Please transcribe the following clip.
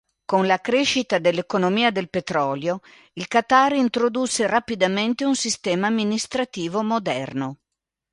Con la crescita dell'economia del petrolio, il Qatar introdusse rapidamente un sistema amministrativo moderno.